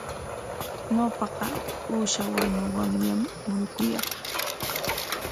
Ñawpaqa uusha wanuwanllam murukuyaq.